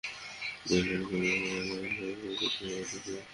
কিন্তু একজন নারী কর্মী প্রবাসে তাঁর আয়ের পুরোটাই দেশে পাঠিয়ে দেন।